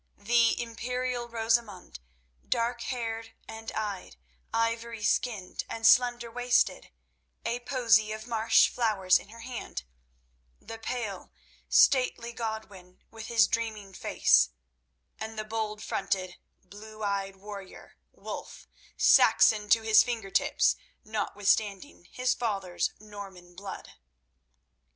The imperial Rosamund, dark haired and eyed, ivory skinned and slender waisted, a posy of marsh flowers in her hand; the pale, stately Godwin, with his dreaming face; and the bold fronted, blue eyed warrior, Wulf, Saxon to his finger tips, notwithstanding his father's Norman blood.